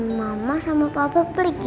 mama sama papa pergi